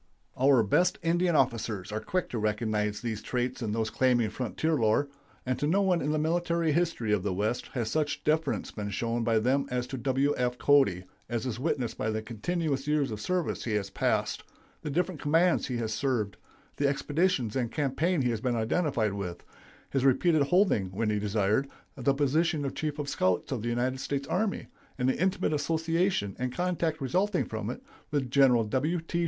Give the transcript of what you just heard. Our best Indian officers are quick to recognize these traits in those claiming frontier lore, and to no one in the military history of the West has such deference been shown by them as to W. F. Cody, as is witnessed by the continuous years of service he has passed, the different commands he has served, the expeditions and campaigns he has been identified with, his repeated holding, when he desired, the position of Chief of Scouts of the United States Army, and the intimate association, and contact resulting from it, with Gen. W. T.